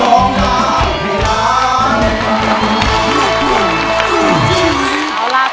ร้องได้ให้ล้าน